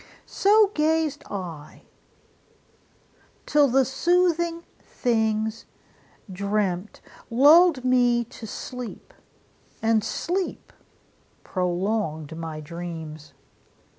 So gazed I, till the soothing things, I dreamt, Lulled me to sleep, and sleep prolonged my dreams!